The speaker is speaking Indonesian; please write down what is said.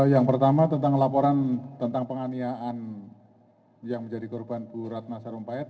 yang pertama tentang laporan tentang penganiayaan yang menjadi korban bu ratna sarumpait